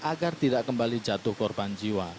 agar tidak kembali jatuh korban jiwa